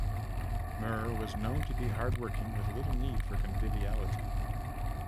Muir was known to be hard working with little need for conviviality.